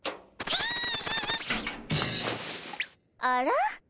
あら？